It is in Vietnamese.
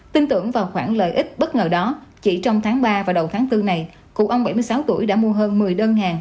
tin tưởng vào khoản lợi ích bất ngờ đó chỉ trong tháng ba và đầu tháng bốn này cụ ông bảy mươi sáu tuổi đã mua hơn một mươi đơn hàng